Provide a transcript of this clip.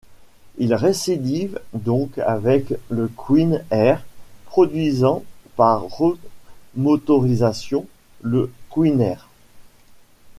Il récidive donc avec le Queen Air, produisant par remotorisation le Queenaire.